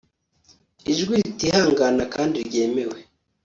Ijwi ritihangana kandi ryemewe